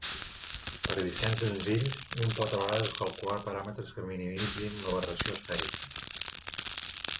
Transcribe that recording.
Per a dissenys senzills, un pot a vegades calcular paràmetres que minimitzin l'aberració esfèrica.